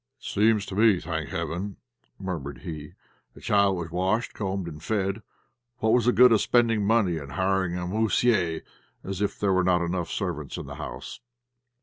"It seems to me, thank heaven," murmured he, "the child was washed, combed, and fed. What was the good of spending money and hiring a 'moussié,' as if there were not enough servants in the house?"